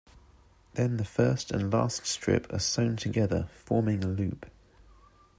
Then the first and last strip are sewn together, forming a loop.